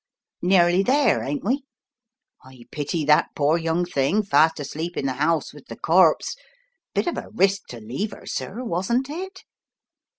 Nearly there, ain't we? I pity that pore young thing fast asleep in the house with the corpse. Bit of a risk to leave 'er, sir, wasn't it?"